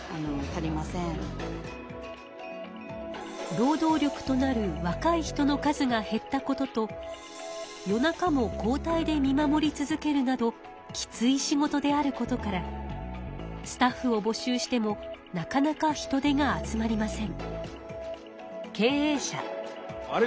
労働力となる若い人の数が減ったことと夜中も交代で見守り続けるなどきつい仕事であることからスタッフをぼ集してもなかなか人手が集まりません。